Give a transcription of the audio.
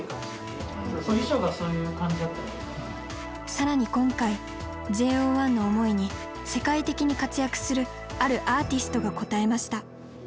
更に今回ＪＯ１の思いに世界的に活躍するあるアーティストが応えました。